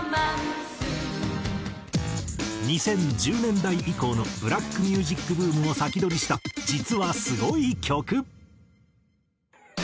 ２０１０年代以降のブラックミュージックブームを先取りした実はすごい曲。